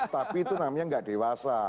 tapi itu namanya nggak dewasa